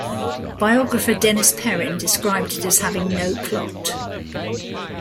Biographer Dennis Perrin described it as having no plot.